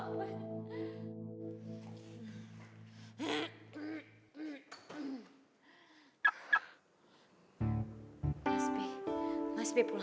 aduh duduk dulu